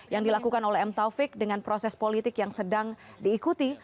yang dilakukan oleh m taufik dengan proses politik yang sedang diikuti